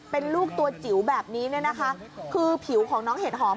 เป็นลูกตัวจิ๋วแบบนี้คือผิวของน้องเห็ดหอม